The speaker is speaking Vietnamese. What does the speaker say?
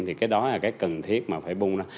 thì cái đó là cái cần thiết mà phải bung đó